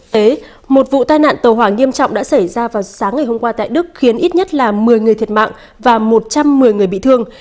một vụ tai nạn tàu hỏa nghiêm trọng đã xảy ra vào sáng ngày hôm qua tại đức khiến ít nhất là một mươi người thiệt mạng và một trăm một mươi người bị thương